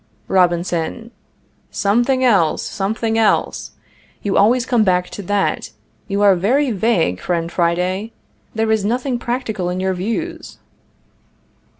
Robinson. Something else something else! You always come back to that. You are very vague, friend Friday; there is nothing practical in your views.